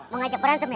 mau ngajak berantem ya